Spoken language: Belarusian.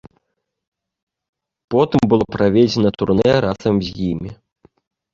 Потым было праведзена турнэ разам з імі.